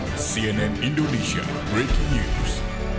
hai cnn indonesia great news